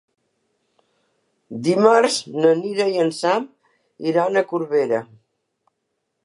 Dimarts na Sira i en Sam iran a Corbera.